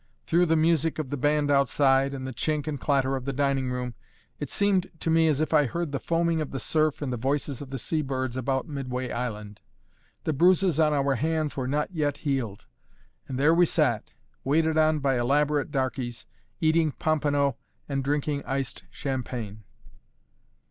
Through the music of the band outside, and the chink and clatter of the dining room, it seemed to me as if I heard the foaming of the surf and the voices of the sea birds about Midway Island. The bruises on our hands were not yet healed; and there we sat, waited on by elaborate darkies, eating pompano and drinking iced champagne.